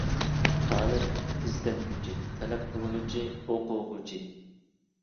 تالىپ : ئىزدەنگۈچى، تەلەپ قىلغۇچى، ئوقۇغۇچى.